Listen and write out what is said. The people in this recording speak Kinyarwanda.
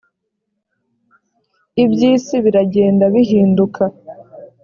iby isi biragenda bihinduka